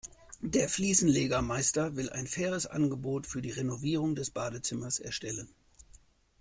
Der Fliesenlegermeister will ein faires Angebot für die Renovierung des Badezimmers erstellen.